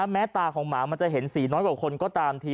ตาของหมามันจะเห็นสีน้อยกว่าคนก็ตามที